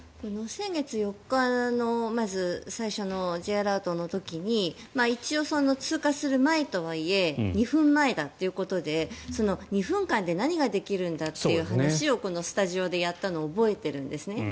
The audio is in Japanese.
先月４日の最初のＪアラートの時に一応、通過する前とはいえ２分前だっていうことで２分間で何ができるんだっていう話をこのスタジオでやったのを覚えているんですね。